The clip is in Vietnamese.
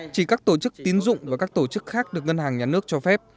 chỉ các tổ chức tín dụng và các tổ chức khác được ngân hàng nhà nước cho phép